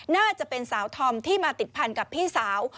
น่าจะเป็นสาวธอมที่มาติดพันกับพี่สาว